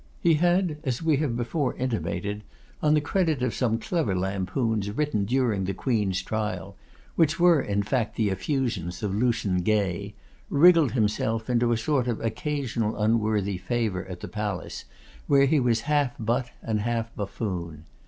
He had, as we have before intimated, on the credit of some clever lampoons written during the Queen's trial, which were, in fact, the effusions of Lucian Gay, wriggled himself into a sort of occasional unworthy favour at the palace, where he was half butt and half buffoon.